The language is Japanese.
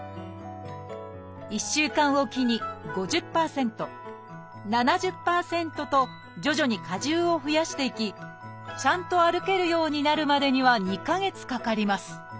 １週間置きに５０％７０％と徐々に荷重を増やしていきちゃんと歩けるようになるまでには２か月かかります。